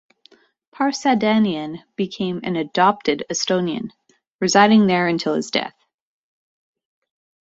Parsadanian became an "adopted" Estonian, residing there until his death.